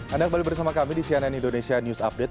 anda kembali bersama kami di cnn indonesia news update